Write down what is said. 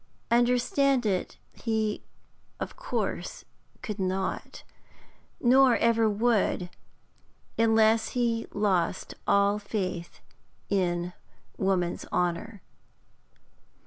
Understand it he of course could not, nor ever would, unless he lost all faith in woman's honour.